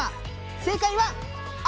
正解は「あ」！